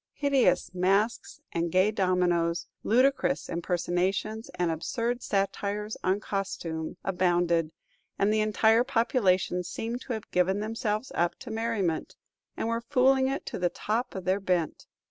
Hideous masks and gay dominos, ludicrous impersonations and absurd satires on costume, abounded, and the entire population seemed to have given themselves up to merriment, and were fooling it to the top o' their bent.